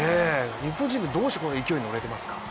日本チームはどうしてこう勢いに乗れていますか。